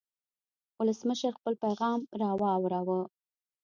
ولسمشر خپل پیغام واوراوه.